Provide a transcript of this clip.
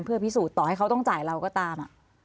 เพื่อพิสูจน์ต่อให้เขาต้องจ่ายเราก็ตาม